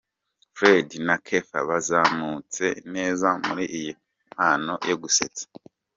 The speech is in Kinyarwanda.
Fred na Keffa bazamutse neza muri iyi mpano yo gusetsa.